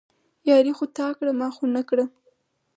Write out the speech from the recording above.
ياري خو تا کړه، ما خو نه کړه